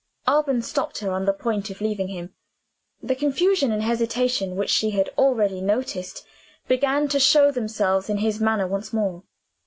Alban stopped her, on the point of leaving him. The confusion and hesitation which she had already noticed began to show themselves in his manner once more.